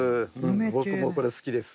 僕もこれ好きです。